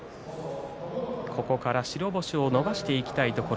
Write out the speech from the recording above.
ここから白星を伸ばしていきたいところ。